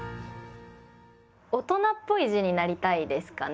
大人っぽい字になりたいですかね。